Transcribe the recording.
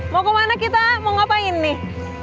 mau kemana kita mau ngapain nih